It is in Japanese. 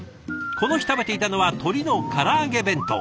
この日食べていたのは鶏のから揚げ弁当。